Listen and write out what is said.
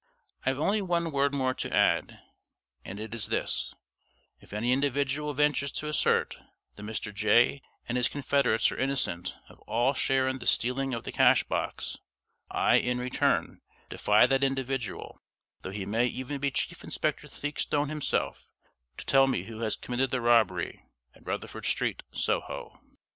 I have only one word more to add, and it is this: If any individual ventures to assert that Mr. Jay and his confederates are innocent of all share in the stealing of the cash box, I, in return, defy that individual though he may even be Chief Inspector Theakstone himself to tell me who has committed the robbery at Rutherford Street, Soho.